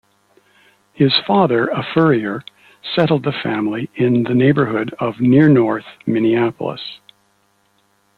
His father, a furrier, settled the family in the neighborhood of Near North, Minneapolis.